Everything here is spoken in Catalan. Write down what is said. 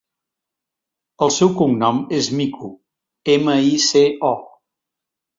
El seu cognom és Mico: ema, i, ce, o.